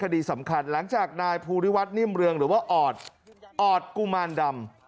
คดีสำคัญหลังจากนายภูริวัฒนิ่มเรืองหรือว่าออดออดกุมารดำ